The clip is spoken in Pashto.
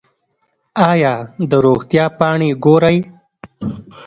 ایا د روغتیا پاڼې ګورئ؟